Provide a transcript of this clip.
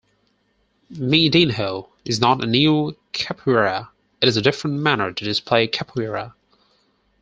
Miudinho is not a new capoeira, it's a different manner to display capoeira.